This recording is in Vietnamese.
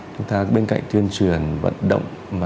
chúng ta bên cạnh tuyên truyền vận động